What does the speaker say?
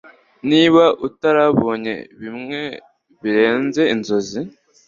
Niba atarabonye bimwe birenze inzozi